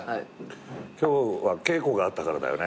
今日は稽古があったからだよね。